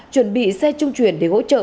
chuẩn bị xe trung truyền để hỗ trợ